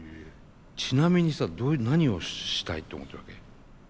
ちなみにさ何をしたいと思ったわけ？